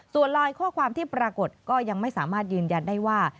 ส่วนลายข้อความที่ปรากฏก็ยังไม่สามารถยืนยันได้ว่า